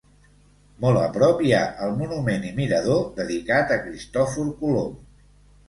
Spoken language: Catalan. Molt a prop hi ha el monument i mirador dedicat a Cristòfor Colom.